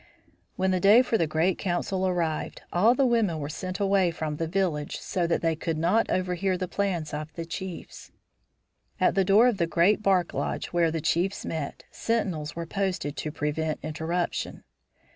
When the day for the great council arrived, all the women were sent away from the village so that they could not overhear the plans of the chiefs. At the door of the great bark lodge where the chiefs met, sentinels were posted to prevent interruption.